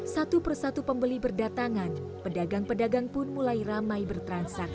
satu persatu pembeli berdatangan pedagang pedagang pun mulai ramai bertransaksi